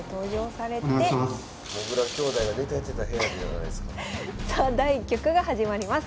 さあ第１局が始まります。